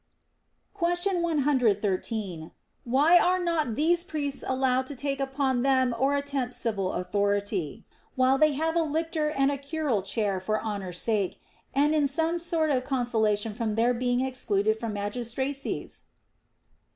Question 1.13. Why are not these priests allowed to take upon them or attempt civil authority, while they have a lictor and a curule chair for honor's sake, and in some sort of consolation for their beino• excluded from masris tracies